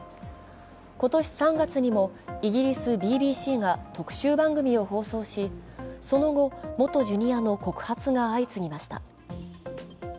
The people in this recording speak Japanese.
今年３月にもイギリス・ＢＢＣが特集番組を放送し、その後、元Ｊｒ．の告発が相次ぎました。